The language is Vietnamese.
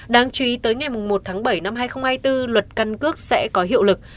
đáng chú ý tới ngày một tháng bảy năm hai nghìn hai mươi bốn luật căn cước sẽ có hiệu lực